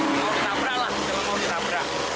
kalau mau ditabrak